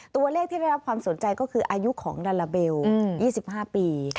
ตัวเลขที่ได้รับความสนใจก็คืออายุของลาลาเบล๒๕ปี